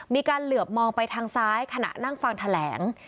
เหลือบมองไปทางซ้ายขณะนั่งฟังแถลง